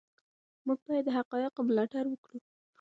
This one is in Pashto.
موږ باید د حقایقو ملاتړ وکړو.